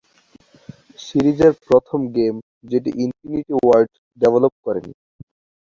সিরিজের প্রথম গেম যেটি ইনফিনিটি ওয়ার্ড ডেভেলপ করেনি।